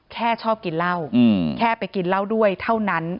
ชอบกินเหล้าแค่ไปกินเหล้าด้วยเท่านั้น